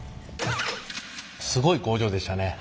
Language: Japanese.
すごい工場でしたね。